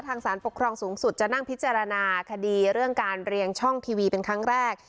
สารปกครองสูงสุดจะนั่งพิจารณาคดีเรื่องการเรียงช่องทีวีเป็นครั้งแรก